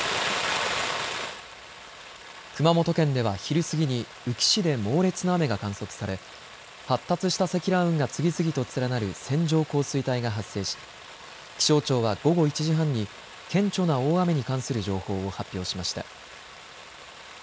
熊本県では昼過ぎに宇城市で猛烈な雨が観測され発達した積乱雲が次々と連なる線状降水帯が発生し気象庁は午後１時半に顕著な大雨に関する情報を発表しました。